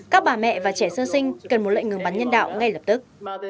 các bà mẹ và trẻ sơ sinh cần một lệnh ngừng bắn nhân đạo ngay lập tức